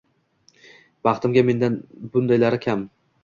Baxtimga, menda bundaylari kam